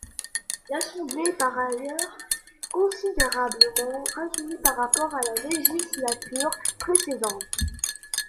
L'assemblée est par ailleurs considérablement rajeunie par rapport à la législature précédente.